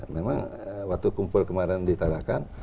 memang waktu kumpul kemarin di tarakan